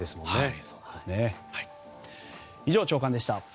以上、朝刊でした。